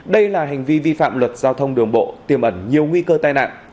đây là hành vi vi phạm luật giao thông đường bộ tiềm ẩn nhiều nguy cơ tai nạn